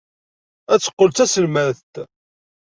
Ad teqqel d taselmadt.